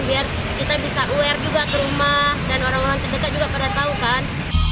biar kita bisa aware juga ke rumah dan orang orang terdekat juga pada tahu kan